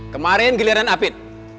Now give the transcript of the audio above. kemarin giliran apit